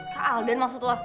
kak aldan maksud lo